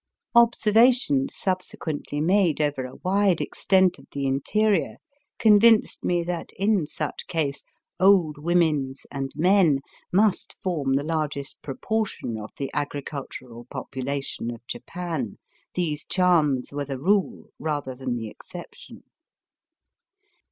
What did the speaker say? Observations subsequently made over a wide extent of the interior convinced me that in such case "old womens and men" must form the largest proportion of the agricultural population of Japan. These charms were the rule rather than the exception.